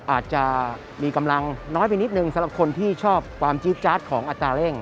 อาจจะมีกำลังน้อยไปนิดนึงสำหรับคนที่ชอบความจี๊ดจาดของอัตราเร่ง